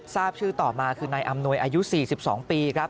ทราบชื่อต่อมาคือนายอำนวยอายุ๔๒ปีครับ